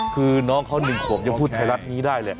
คือน้องเขา๑ขวบยังพูดไทยรัฐนี้ได้เลย